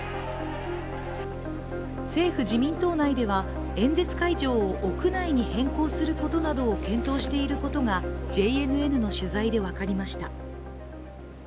政府・自民党内では、演説会場を屋内に変更することなどを検討していることがＪＮＮの取材で分かりました。